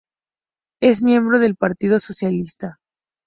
Es miembro del partido socialista.